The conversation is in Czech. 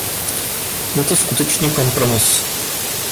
Je to skutečný kompromis.